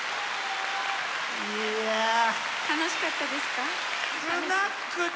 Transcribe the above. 楽しかったですか？